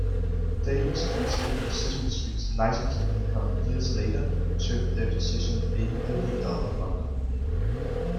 Davis, considering "Sesame Street"s licensing income years later, termed their decision "a billion-dollar blunder".